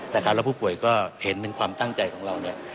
แล้วผู้ป่วยก็เห็นเป็นความตั้งใจของเราเนี่ย